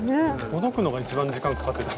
ほどくのが一番時間かかってた。